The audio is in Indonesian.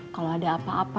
kalau ada apa apa